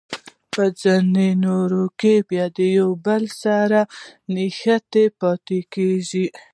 په ځینو نورو کې بیا یو له بل سره نښتې پاتې کیږي.